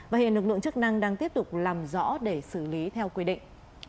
và hiện lực lượng chức năng đang tiếp tục làm rõ để xử lý theo quy định